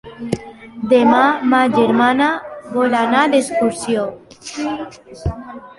Demà ma germana vol anar d'excursió.